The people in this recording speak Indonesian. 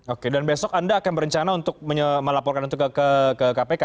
oke dan besok anda akan berencana untuk melaporkan itu ke kpk